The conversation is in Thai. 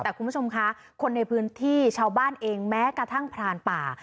แต่คุณผู้ชมคะคนในพื้นที่ชาวบ้านเองแม้กระทั่งพรานป่า